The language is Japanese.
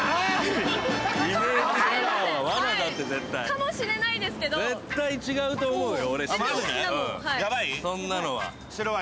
かもしれないですけど絶対違うと思うよ。